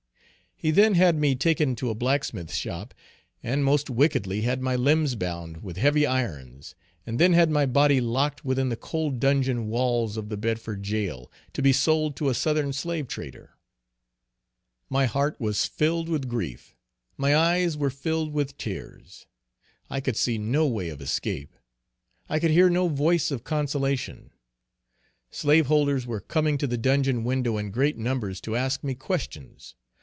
He then had me taken to a blacksmith's shop, and most wickedly had my limbs bound with heavy irons, and then had my body locked within the cold dungeon walls of the Bedford jail, to be sold to a Southern slave trader. My heart was filled with grief my eyes were filled with tears. I could see no way of escape. I could hear no voice of consolation. Slaveholders were coming to the dungeon window in great numbers to ask me questions.